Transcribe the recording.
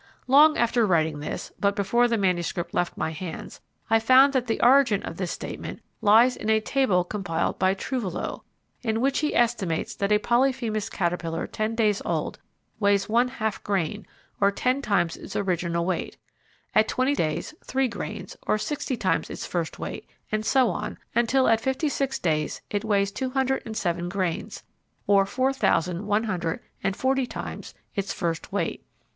Long after writing this, but before the manuscript left my hands, I found that the origin of this statement lies in a table compiled by Trouvelot, in which he estimates that a Polyphemus caterpillar ten days old weighs one half grain, or ten times its original weight; at twenty days three grains, or sixty times its first weight; and so on until at fifty six days it weighs two hundred and seven grains, or four thousand one hundred and forty times its first weight.